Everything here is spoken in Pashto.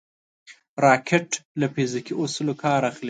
راکټ له فزیکي اصولو کار اخلي